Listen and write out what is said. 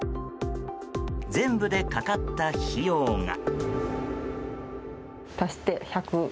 全部でかかった費用が。